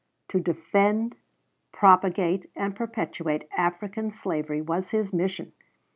To defend, propagate, and perpetuate African slavery was his mission.